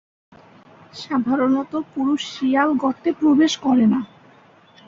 সাধারনত পুরুষ শিয়াল গর্তে প্রবেশ করে না।